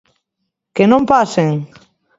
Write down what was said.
Que non pasen!